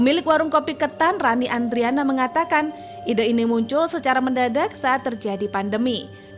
pemilik warung kopi ketan rani andriana mengatakan ide ini muncul secara mendadak saat terjadi pandemi